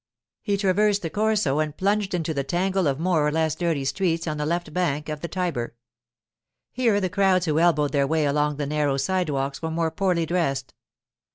He traversed the Corso and plunged into the tangle of more or less dirty streets on the left bank of the Tiber. Here the crowds who elbowed their way along the narrow sidewalks were more poorly dressed.